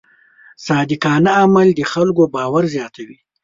صادقانه عمل د خلکو باور زیاتوي.